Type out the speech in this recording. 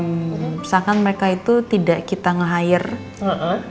misalkan mereka itu tidak kita nge hire